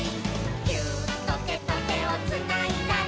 「ギューッとてとてをつないだら」